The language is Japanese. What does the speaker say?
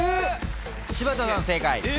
柴田さん正解。